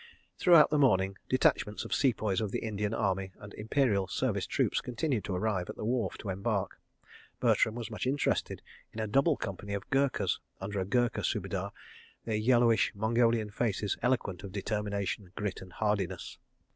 ... Throughout the morning detachments of Sepoys of the Indian Army and Imperial Service Troops continued to arrive at the wharf and to embark. Bertram was much interested in a double company of Gurkhas under a Gurkha Subedar, their yellowish Mongolian faces eloquent of determination, grit, and hardiness.